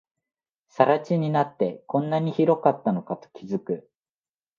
更地になって、こんなに広かったのかと気づく